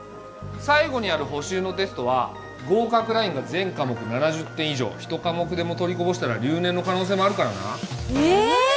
最後にやる補習のテストは合格ラインが全科目７０点以上一科目でも取りこぼしたら留年の可能性もあるからなええ